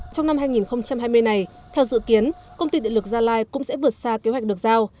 trong năm hai nghìn hai mươi này theo dự kiến công ty điện lực gia lai cũng sẽ vượt xa kế hoạch được giao